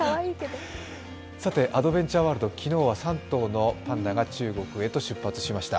アドベンチャーワールド、昨日は３頭のパンダが中国へと出発しました。